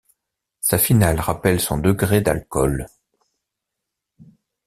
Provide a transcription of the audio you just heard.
Sa finale rappelle son degré d'alcool.